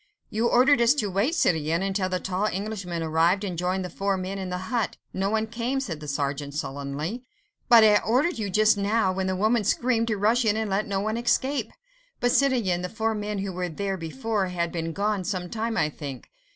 "You ordered us to wait, citoyen, until the tall Englishman arrived and joined the four men in the hut. No one came," said the sergeant sullenly. "But I ordered you just now, when the woman screamed, to rush in and let no one escape." "But, citoyen, the four men who were there before had been gone some time, I think